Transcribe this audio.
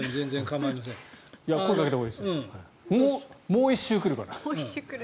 もう１周来るから。